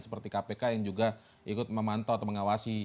seperti kpk yang juga ikut memantau atau mengawasi